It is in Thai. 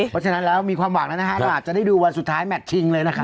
เพราะฉะนั้นแล้วมีความหวังแล้วนะฮะเราอาจจะได้ดูวันสุดท้ายแมทชิงเลยนะคะ